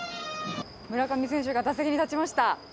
村上選手が打席に立ちました。